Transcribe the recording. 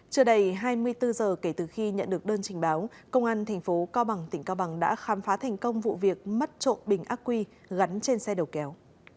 trưa đầy hai mươi bốn giờ kể từ khi nhận được đơn trình báo công an tp cao bằng tỉnh cao bằng đã khám phá thành công vụ việc mất trộm bình ác quy gắn trên xe đầu kéo